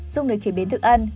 dùng để chế biến thức ăn